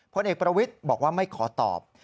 พลเอกประวิทย์บอกว่าไม่ขอตอบ